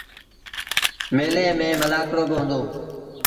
ميلي ميݩ ملآکڙوبا هُݩدو۔